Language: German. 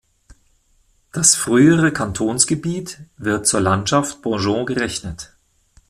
Das frühere Kantonsgebiet wird zur Landschaft Baugeois gerechnet.